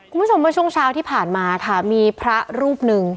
คุณผู้ชมเมื่อช่วงเช้าที่ผ่านมาค่ะมีพระรูปหนึ่ง